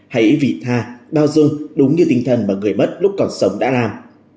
hãy vì tha bao dung đúng như tinh thần mà người mất lúc còn sống đã làm